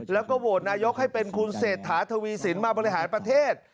แล้วก็โหวตนายกให้เป็นคุณเศรษฐาทวีสินมาบริหารประเทศ